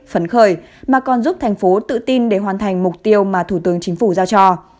phấn khởi mà còn giúp thành phố tự tin để hoàn thành mục tiêu mà thủ tướng chính phủ giao cho